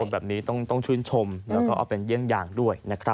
แบบนี้ต้องชื่นชมแล้วก็เอาเป็นเยี่ยงอย่างด้วยนะครับ